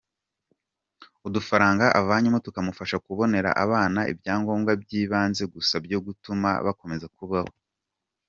Udufaranga avanyemo tukamufasha kubonera abana ibyangombwa by’ibanze gusa byo gutuma bakomeza kubaho.